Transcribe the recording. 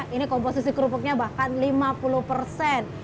ini komposisi kerupuknya bahkan lima puluh persen